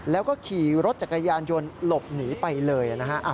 แล้วก็ขี่รถจักรยานยนต์หลบหนีไปเลยนะฮะ